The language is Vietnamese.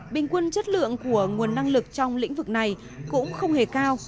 bình quân chất lượng của nguồn năng lực trong lĩnh vực này cũng không hề cao